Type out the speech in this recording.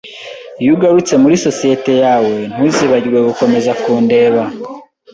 Iyo ugarutse muri sosiyete yawe, ntuzibagirwe gukomeza kundeba.